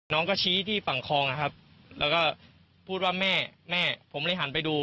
น้องก็ชี้ที่ฝั่งคลองนะครับแล้วก็พูดว่าแม่แม่ผมเลยหันไปดู